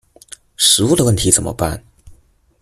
食物的问题怎么办？